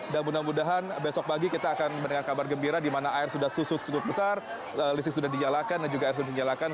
dan mudah mudahan besok pagi kita akan mendengar kabar gembira di mana air sudah susut cukup besar listrik sudah dinyalakan dan juga air sudah dinyalakan